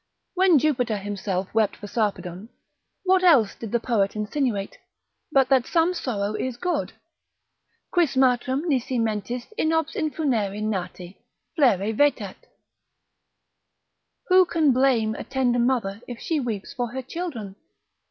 When Jupiter himself wept for Sarpedon, what else did the poet insinuate, but that some sorrow is good Quis matrem nisi mentis inops in funere nati Flere vetat?——— who can blame a tender mother if she weep for her children?